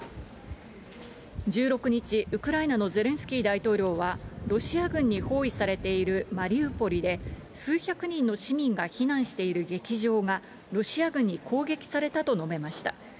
１６日、ウクライナのゼレンスキー大統領は、ロシア軍に包囲されているマリウポリで、数百人の市民が避難している劇場が、ロシア軍に攻撃されたと述べました。